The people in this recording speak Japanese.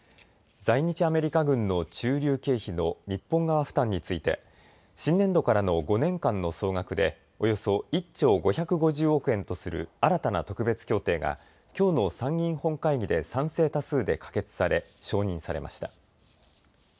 在日アメリカ軍の駐留経費の日本側負担について新年度からの５年間の総額でおよそ１兆５５０億円とする新たな特別協定がきょうの参議院本会議で賛成多数で可決され承認されました。